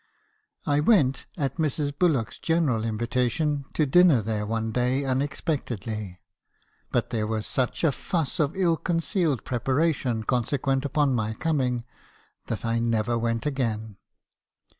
I went, at Mrs. Bullock's general invita tion , to dinner there one day unexpectedly ; but there was such a fuss of ill concealed preparation consequent upon my coming, that I never went again.